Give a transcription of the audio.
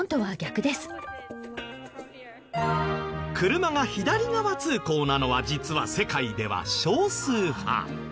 車が左側通行なのは実は世界では少数派。